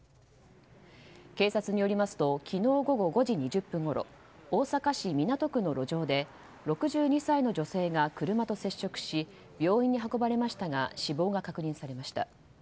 警察によりますと昨日午後５時２０分ごろ大阪市港区の路上で６２歳の女性が車と接触し病院に運ばれましたが死亡が確認されました。